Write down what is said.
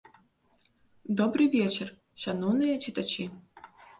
Добры вечар, шаноўныя чытачы!